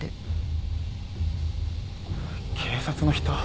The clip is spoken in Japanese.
警察の人？